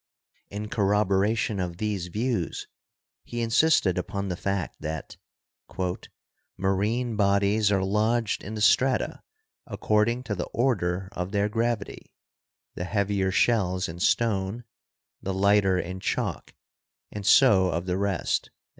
In corroboration of these views he insisted upon the fact that "marine bodies are lodged in the strata according to the order of their gravity, the heavier shells in stone, the lighter in chalk and so of the rest."